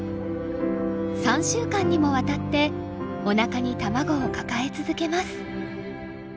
３週間にもわたっておなかに卵を抱え続けます。